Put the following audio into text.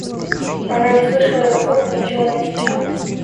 Она не слышала его слов и ничего не отвечала.